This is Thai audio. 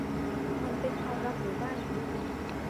มันเป็นความลับหรือไม่ ?